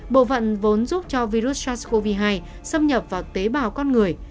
bộ phận vốn giúp cho virus sars cov hai xâm nhập vào tế bào con người